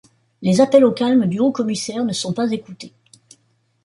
Les appels au calme du Haut-Commissaire ne sont pas écoutés.